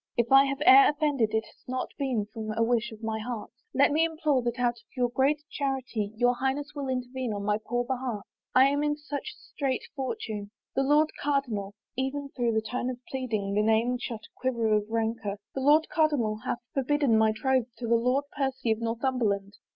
If I have e'er offended it has not been from a wish of my heart's. Let me implore that out of your great charity your Highness will intervene on my poor behalf. I am in such strait fortune ! The Lord Cardinal "— even through the tone of pleading that name shot a quiver of rancor —" the Lord Cardinal hath forbidden my troth to the Lord Percy of Northimiberland."